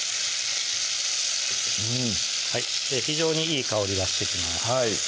うん非常にいい香りがしてきます